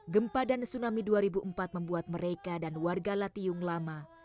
gempa dan tsunami dua ribu empat membuat mereka dan warga latiung lama